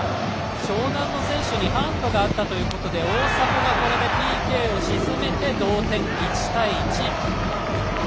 湘南の選手にハンドがあったということで大迫がＰＫを沈めて同点、１対１。